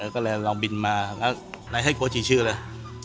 ก็เลยลองบินมาแล้วในไทยครัวกี่ชื่อแล้ว